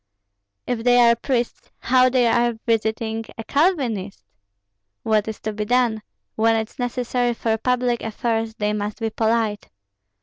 "If they are priests, how are they visiting a Calvinist?" "What is to be done? When it's necessary for public affairs, they must be polite."